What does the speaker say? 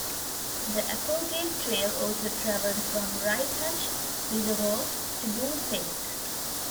The Applegate Trail also traveled from Rye Patch Reservoir to Goose Lake.